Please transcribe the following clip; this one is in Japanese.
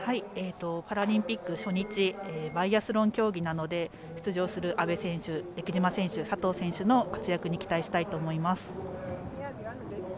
パラリンピック初日バイアスロン競技なので出場する選手の活躍に期待したいと思います。